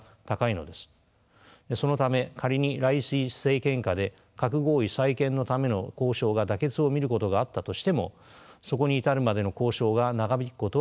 そのため仮にライシ政権下で核合意再建のための交渉が妥結を見ることがあったとしてもそこに至るまでの交渉が長引くことは避けられません。